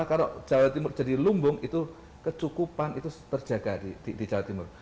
kalau jawa timur jadi lumbung itu kecukupan itu terjaga di jawa timur